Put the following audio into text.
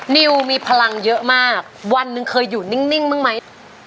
นิ้วมีพลังเยอะมากวันนึงเคยอยู่นิ่งนิ่งมั่งไหม